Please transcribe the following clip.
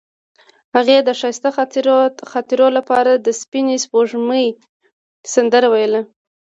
هغې د ښایسته خاطرو لپاره د سپین سپوږمۍ سندره ویله.